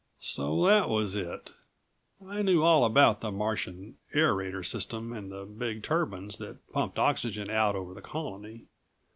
So that was it! I knew all about the Martian aerator system and the big turbines that pumped oxygen out over the Colony.